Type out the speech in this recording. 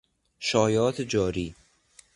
شایعات جاری